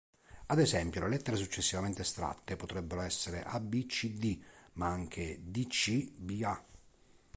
Ad esempio, le lettere successivamente estratte potrebbero essere "a,b,c,d", ma anche "d,c,b,a".